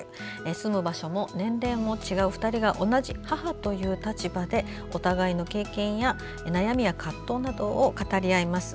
住む場所も年齢も違う２人が同じ母という立場でお互いの経験や悩み、葛藤などを語り合います。